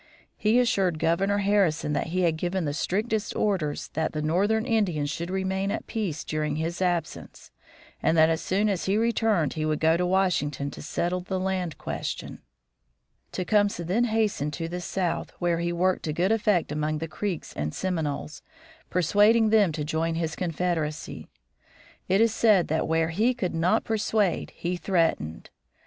He assured Governor Harrison that he had given the strictest orders that the northern Indians should remain at peace during his absence, and that as soon as he returned he would go to Washington to settle the land question. [Illustration: TECUMSEH INCITING THE CREEKS] Tecumseh then hastened to the South, where he worked to good effect among the Creeks and Seminoles, persuading them to join his confederacy. It is said that where he could not persuade he threatened.